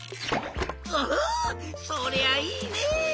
おおそりゃいいね！